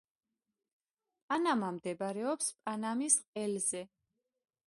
პანამა მდებარეობს პანამის ყელზე.